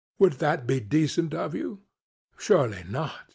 Would that be decent of you? Surely not.